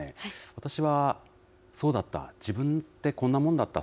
私は、そうだった、自分ってこんなもんだった、